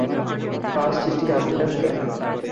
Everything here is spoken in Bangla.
পাস্ট হিস্ট্রি জানতে চাস কেন?